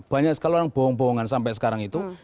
banyak sekali orang bohong bohongan sampai sekarang itu